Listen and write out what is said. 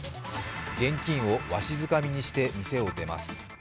現金をわしづかみにして店を出ます。